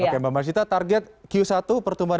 oke mbak marcita target q satu pertumbuhan